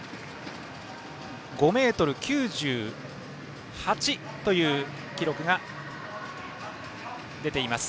５ｍ９８という記録が出ています。